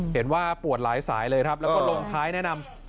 เห็นว่าปวดหลายสายเลยครับแล้วก็ลงท้ายแนะนำ